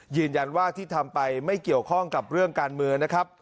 ยืนยันว่าที่ทำไปไม่เกี่ยวข้องกับเรื่องการเมืองนะครับ